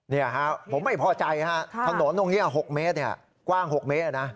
นี่ผมไม่พอใจข้าม้วนทรงนี่กว้าง๖เมตร